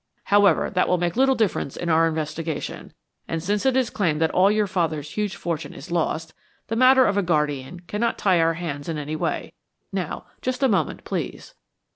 However, that will make little difference in our investigation, and, since it is claimed that all your father's huge fortune is lost, the matter of a guardian cannot tie our hands in any way. Now, just a moment, please."